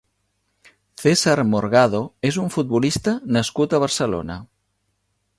César Morgado és un futbolista nascut a Barcelona.